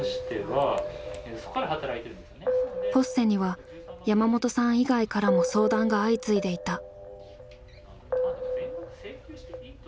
ＰＯＳＳＥには山本さん以外からも相談が相次いでいた。